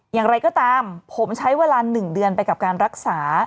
อย่างไรก็ตามผมใช้เวลา๑เดือนไปกับการรักษา